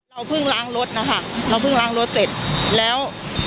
เพิ่งล้างรถนะคะเราเพิ่งล้างรถเสร็จแล้ว